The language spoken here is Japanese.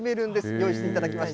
用意していただきました。